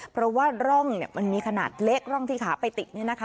เพราะว่าร่องมันมีขนาดเล็กร่องที่ขาไปติด